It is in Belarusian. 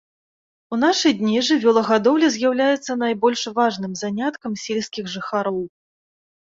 У нашы дні жывёлагадоўля з'яўляецца найбольш важным заняткам сельскіх жыхароў.